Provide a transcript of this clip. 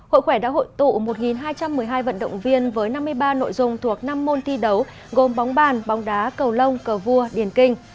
hội khỏe đã hội tụ một hai trăm một mươi hai vận động viên với năm mươi ba nội dung thuộc năm môn thi đấu gồm bóng bàn bóng đá cầu lông cờ vua điền kinh